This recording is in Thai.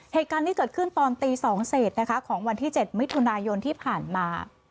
เหตุการณ์นี้เกิดขึ้นตอนตี๒เศษนะคะของวันที่๗มิถุนายนที่ผ่านมา